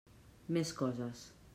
Més coses.